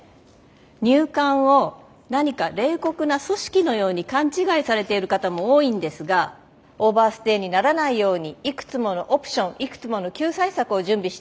入管を何か冷酷な組織のように勘違いされている方も多いんですがオーバーステイにならないようにいくつものオプションいくつもの救済策を準備しているんです。